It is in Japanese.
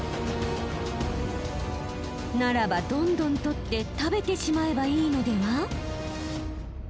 ならばどんどん取って食べてしまえばいいのでは？